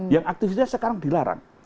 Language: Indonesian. yang aktivitas sekarang dilarang